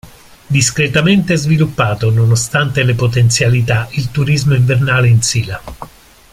Discretamente sviluppato, nonostante le potenzialità, il turismo invernale in Sila.